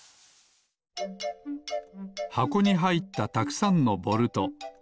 はこにはいったたくさんのボルト。